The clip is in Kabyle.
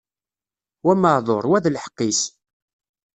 Wa meɛduṛ, wa d lḥeqq-is.